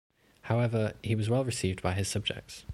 However he was well received by his subjects.